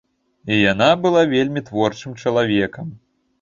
Яна была вельмі творчым чалавекам.